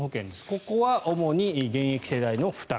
ここは主に現役世代の負担。